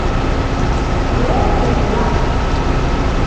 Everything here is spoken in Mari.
— Прокырла!..